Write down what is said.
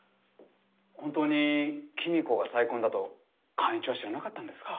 本当に公子が再婚だと寛一は知らなかったんですか？